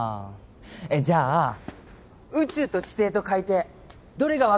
えっじゃあ宇宙と地底と海底どれがわくわくする？